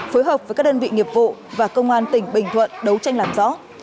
phối hợp với các đơn vị nghiệp vụ và công an tỉnh bình thuận đấu tranh làm rõ